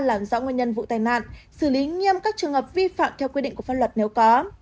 làm rõ nguyên nhân vụ tai nạn xử lý nghiêm các trường hợp vi phạm theo quy định của pháp luật nếu có